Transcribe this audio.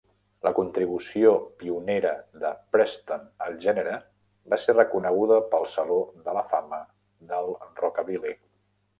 La contribució pionera de Preston al gènere va ser reconeguda pel Saló de la Fama del Rockabilly.